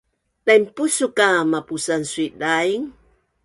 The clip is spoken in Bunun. Dainpusuk a mapusan sui-daing